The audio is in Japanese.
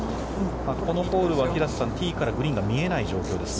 このホールは、平瀬さん、ティーからグリーンが見えない状況ですね。